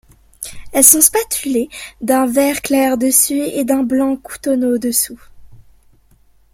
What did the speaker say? Elles sont spatulées, d'un vert clair dessus et d'un blanc cotonneux dessous.